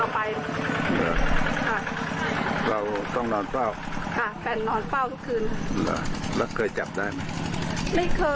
ไม่เคยจับไม่ได้